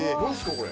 これ。